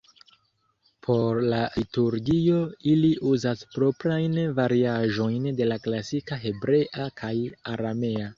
Por la liturgio ili uzas proprajn variaĵojn de la klasika Hebrea kaj Aramea.